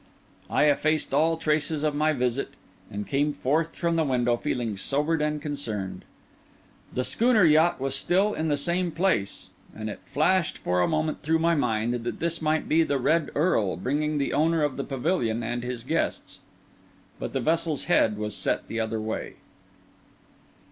I effaced all traces of my visit, and came forth from the window feeling sobered and concerned. The schooner yacht was still in the same place; and it flashed for a moment through my mind that this might be the Red Earl bringing the owner of the pavilion and his guests. But the vessel's head was set the other way.